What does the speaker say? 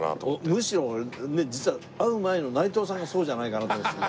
むしろ俺実は会う前の内藤さんがそうじゃないかなと思っていて。